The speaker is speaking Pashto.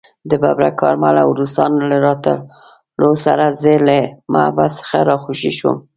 د ببرک کارمل او روسانو له راتلو سره زه له محبس څخه راخوشي شوم.